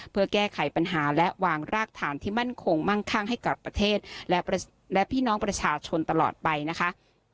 เพื่อแก้ไขปัญหาและวางรากฐานที่มั่นคงมั่งข้างให้กับประเทศและพี่น้องประชาชนตลอดไปนะคะ